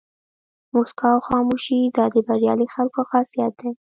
موسکا او خاموشي دا د بریالي خلکو خاصیت دی.